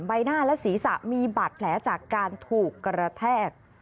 ใบหน้าและศีรษะมีบาดแผลจากการถูกกระแทก